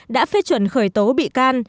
đã phê chuẩn khởi tố bị can